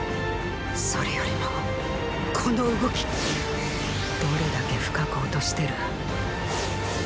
それよりもこの動きっどれだけ深く落としてる！